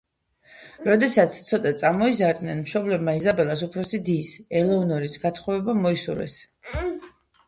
როდესაც ცოტა წამოიზარდნენ მშობლებმა იზაბელას უფროსი დის, ელეონორის გათხოვება მოისურვეს.